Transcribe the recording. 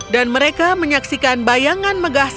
dan mereka menyaksikan bayangan megah skarab